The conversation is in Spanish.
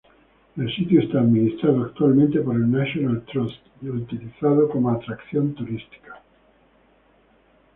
El sitio está administrado actualmente por el National Trust y utilizado como atracción turística.